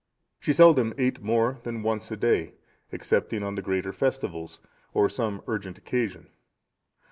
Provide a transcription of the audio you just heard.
She seldom ate more than once a day, excepting on the greater festivals, or some urgent occasion.